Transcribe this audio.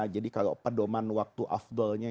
jadi kalau pedoman waktu afdolnya